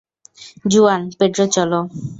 জুয়ান, Pedro চলো!